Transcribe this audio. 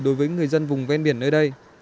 đối với người dân vùng ven biển nơi đây